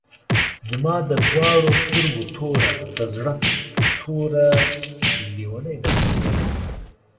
زما د دواڼو سترګو توره، د زړۀ ټوره لېونۍ درپسې يمه